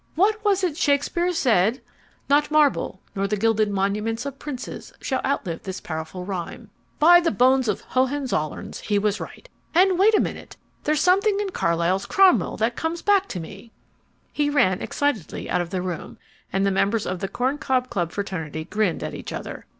What was it Shakespeare said Not marble nor the gilded monuments Of princes shall outlive this powerful rhyme By the bones of the Hohenzollerns, he was right! And wait a minute! There's something in Carlyle's Cromwell that comes back to me. He ran excitedly out of the room, and the members of the Corn Cob fraternity grinned at each other.